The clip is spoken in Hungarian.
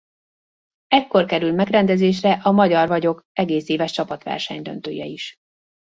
Ekkor kerül megrendezésre a Magyar vagyok... egész éves csapatverseny döntője is.